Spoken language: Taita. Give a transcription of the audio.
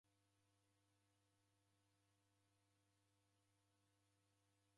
Wanyangaluka angu waghuda.